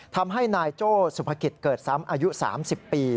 ทำให้นายโจ้สุภกิจเกิดซ้ำอายุ๓๐ปี